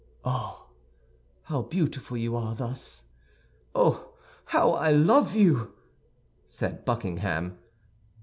"Oh, how beautiful you are thus! Oh, how I love you!" said Buckingham.